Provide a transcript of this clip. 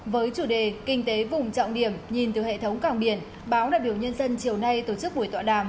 với chủ đề kinh tế vùng trọng điểm nhìn từ hệ thống cảng biển báo đại biểu nhân dân chiều nay tổ chức buổi tọa đàm